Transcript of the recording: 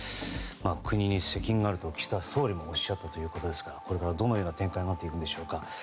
国に責任があると岸田総理もおっしゃったということですからこれからどのような展開になっていくんでしょうか。